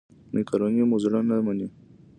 مېکاروني مو زړه نه مني.